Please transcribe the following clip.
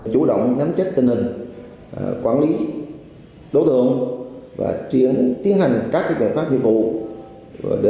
chủ động nhắm chất tình hình quản lý đối tượng và tiến hành các việc pháp vi phạm